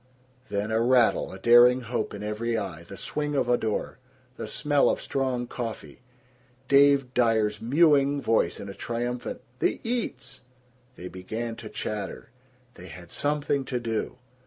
Then a rattle, a daring hope in every eye, the swinging of a door, the smell of strong coffee, Dave Dyer's mewing voice in a triumphant, "The eats!" They began to chatter. They had something to do.